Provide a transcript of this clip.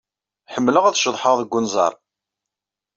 Ḥemmleɣ ad ceḍḥeɣ deg unẓar.